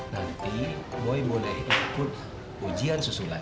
nanti boy boleh ikut ujian susulan